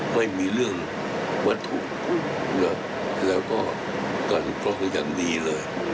ไม่มีเรื่องวัตถุแล้วก็กันกล้องอย่างนี้เลย